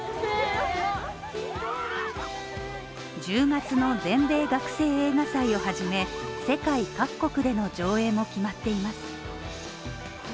１０月の全米学生映画祭をはじめ世界各国での上映も決まっています。